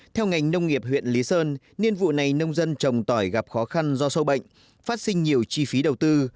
theo ngành nông nghiệp huyện lý sơn nhiên vụ này nông dân trồng tỏi gặp khó khăn do sâu bệnh phát sinh nhiều chi phí đầu tư